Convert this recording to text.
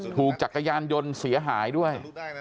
จักรยานยนต์เสียหายด้วย